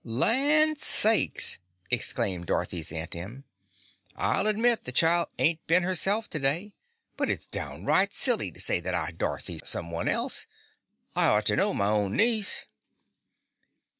"Lan' sakes!" exclaimed Dorothy's Aunt Em, "I'll admit the child ain't been herself today, but it's down right silly to say that our Dorothy's someone else. I ought to know my own niece!"